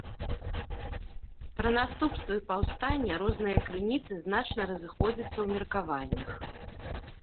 Пра наступствы паўстання розныя крыніцы значна разыходзяцца ў меркаваннях.